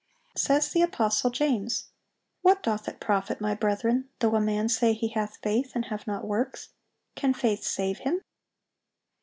Says the apostle James: "What doth it profit, my brethren, though a man say he hath faith, and have not works? can faith save him?...